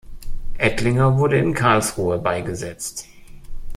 Ettlinger wurde in Karlsruhe beigesetzt.